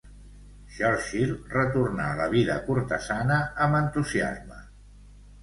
Churchill retornà a la vida cortesana amb entusiasme.